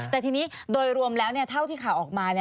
แต่ทีนี้โดยรวมแล้วเท่าที่ข่าวออกมา